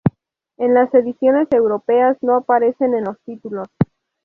En las ediciones europeas no aparecen en los títulos.